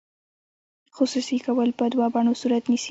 خصوصي کول په دوه بڼو صورت نیسي.